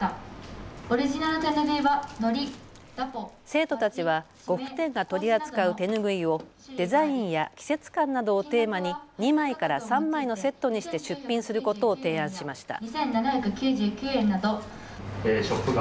生徒たちは呉服店が取り扱う手拭いをデザインや季節感などをテーマに２枚から３枚のセットにして出品することを提案しました。